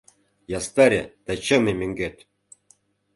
Ястаре да чыме мӧҥгет!